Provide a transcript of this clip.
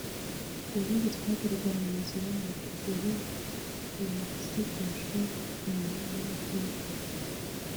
ubundi twageraga mu nzira bati dore wa wasigajwe inyuma n’amateka